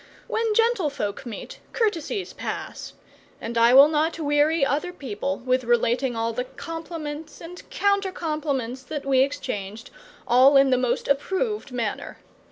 When gentle folk meet, courtesies pass; and I will not weary other people with relating all the compliments and counter compliments that we exchanged, all in the most approved manner.